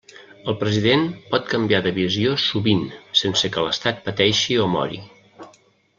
El president pot canviar de visió sovint sense que l'Estat pateixi o mori.